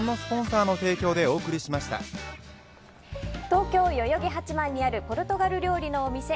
東京・代々木八幡にあるポルトガル料理のお店